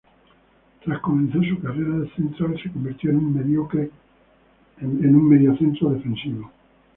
Tras comenzar su carrera de central, se convirtió en un mediocentro defensivo.